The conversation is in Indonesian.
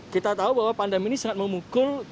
kita tahu bahwa pandemi ini sangat memukul